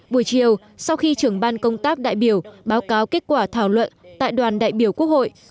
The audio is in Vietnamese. buổi chiều sau khi trưởng ban công tác đại biểu báo cáo kết quả thảo luận tại đoàn đại biểu quốc hội